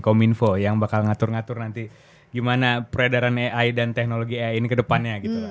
kominfo yang bakal ngatur ngatur nanti gimana peredaran ai dan teknologi ai ini ke depannya gitu